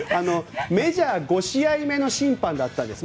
メジャー５試合目の審判だったんです。